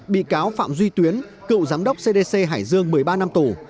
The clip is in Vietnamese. bị cáo phạm duy tuyến cựu giám đốc cdc hải dương một mươi ba năm tù